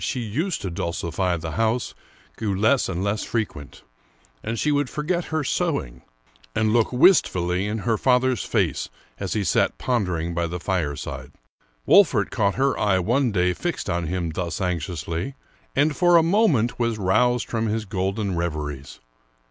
177 American Mystery Stories she used to dulcify the house grew less and less frequent, and she would forget her sewing, and look wistfully in her father's face as he sat pondering by the fireside. Wolfert caught her eye one day fixed on him thus anxiously, and for a. moment was roused from his golden reveries.